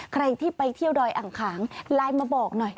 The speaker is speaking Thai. ใครที่ไปเที่ยวดอยอ่างขางไลน์มาบอกหน่อย